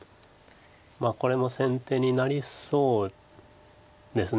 これも先手になりそうです。